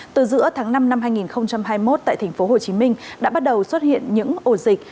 từ giữa tháng năm năm hai nghìn hai mươi một tại thành phố hồ chí minh đã bắt đầu xuất hiện những ổ dịch